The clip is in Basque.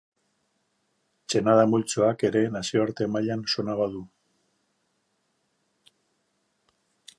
Txenada multzoak ere nazioarte mailan sona badu.